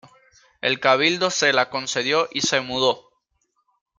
El Cabildo se la concedió y se mudó.